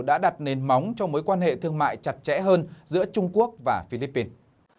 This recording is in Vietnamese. đã đặt nền móng cho mối quan hệ thương mại chặt chẽ hơn giữa trung quốc và philippines